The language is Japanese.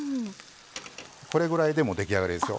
これぐらいでもう出来上がりですよ。